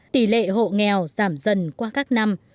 tỷ lệ hộ nghèo giảm dần qua các năm